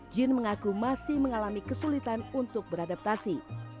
jin mengaku masih mengalami kesulitan untuk beradaptasi